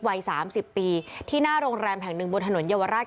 วัย๓๐ปีที่หน้าโรงแรมแห่งหนึ่งบนถนนเยาวราช